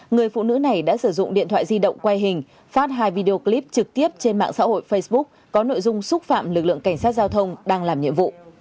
người phụ nữ này đã sử dụng điện thoại di động quay hình phát hai video clip trực tiếp trên mạng xã hội facebook có nội dung xúc phạm lực lượng cảnh sát giao thông đang làm nhiệm vụ